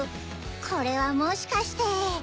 これはもしかして。